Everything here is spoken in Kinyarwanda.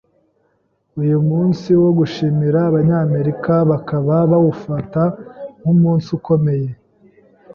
Uyu munsi wo gushimira, Abanyamerika bakaba bawufata nk’umunsi ukomeye